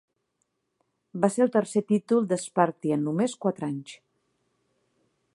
Va ser el tercer títol de Sparty en només quatre anys.